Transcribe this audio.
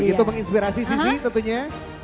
begitu menginspirasi sisi tentunya